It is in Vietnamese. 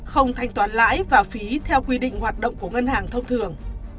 không thanh toán lãi và phí theo quy định hoạt động của ngân hàng thông thường